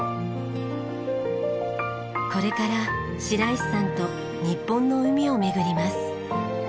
これから白石さんと日本の海を巡ります。